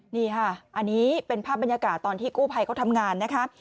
นี่ค่ะอันนี้เป็นภาพบรรยากาศตอนที่กู้ภัยเขาทำงานนะคะ